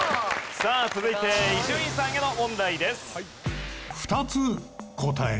さあ続いて伊集院さんへの問題です。